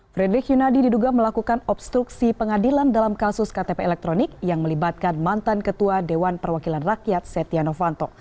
frederick yunadi diduga melakukan obstruksi pengadilan dalam kasus ktp elektronik yang melibatkan mantan ketua dewan perwakilan rakyat setia novanto